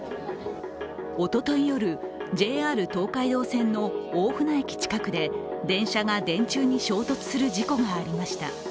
おととい夜、ＪＲ東海道線の大船駅近くで、電車が電柱に衝突する事故がありました。